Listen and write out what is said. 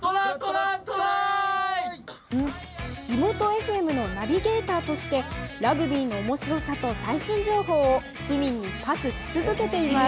地元ＦＭのナビゲーターとして、ラグビーのおもしろさを最新情報を、市民にパスし続けています。